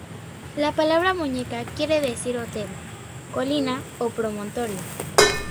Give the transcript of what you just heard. La palabra Muñeca quiere decir otero, colina o promontorio.